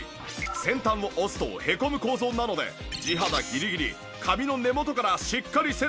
先端を押すとへこむ構造なので地肌ギリギリ髪の根元からしっかりセット可能！